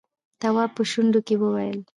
تواب په شونډو کې وويل: